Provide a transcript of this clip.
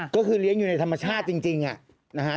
ก็คือเลี้ยงอยู่ในธรรมชาติจริงนะฮะ